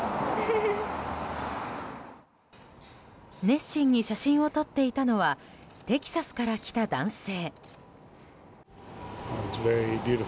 熱心に写真を撮っていたのはテキサスから来た男性。